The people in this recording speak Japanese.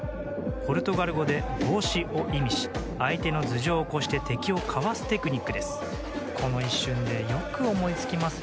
ポルトガル語で帽子を意味し相手の頭上を越して敵をかわすテクニックです。